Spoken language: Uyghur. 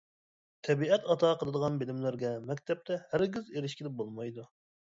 تەبىئەت ئاتا قىلىدىغان بىلىملەرگە مەكتەپتە ھەرگىز ئېرىشكىلى بولمايدۇ.